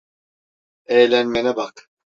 Eğlenmene bak.